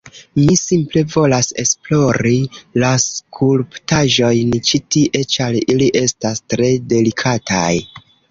Mi simple volas esplori la skulptaĵojn ĉi tie ĉar ili estas tre delikataj